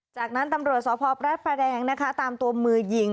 จากนั้นตำรวจสพพระประแดงนะคะตามตัวมือยิง